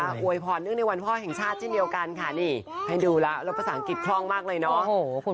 มวยพรนึกในวันพ่อแห่งชาติที่เดียวกันค่ะนี่ให้ดูละรับภาษาอังกฤษคร่องมากเลยเนาะ